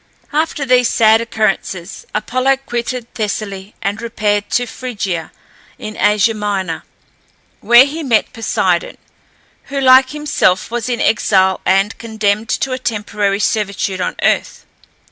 After these sad occurrences Apollo quitted Thessaly and repaired to Phrygia, in Asia Minor, where he met Poseidon, who, like himself, was in exile, and condemned to a temporary servitude on earth.